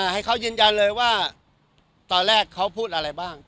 ให้เขายืนยันเลยว่าตอนแรกเขาพูดอะไรบ้าง